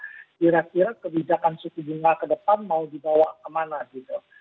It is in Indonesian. kira kira kebijakan suku bunga ke depan mau dibawa kemana gitu